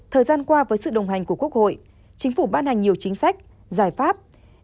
thời gian qua với sự đồng hành của quốc hội chính phủ ban hành nhiều chính sách giải pháp